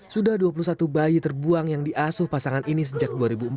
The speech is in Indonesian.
sudah dua puluh satu bayi terbuang yang diasuh pasangan ini sejak dua ribu empat